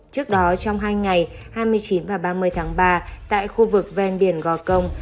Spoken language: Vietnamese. trước đó trong hai ngày hai mươi chín và ba mươi tháng ba tại khu vực ven biển gò công